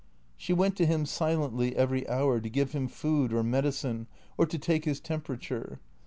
She went to him silently every hour to give him food or medi cine or to take his temperature.